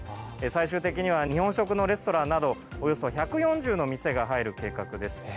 最終的には日本食のレストランなどおよそ１４０の店が入る計画です。